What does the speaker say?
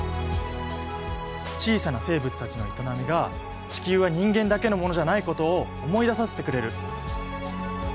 小さな生物たちの営みが地球は人間だけのものじゃないことを思い出させてくれる。